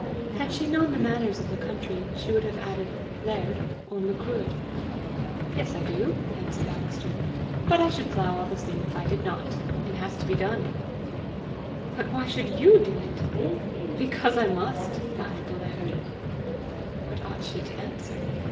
Had she known the manners of the country, she would have added "laird," or "Macruadh." "Yes I do," Alister answered; "but I should plough all the same if I did not. It has to be done." "But why should YOU do it?" "Because I must," laughed the laird. What ought she to answer?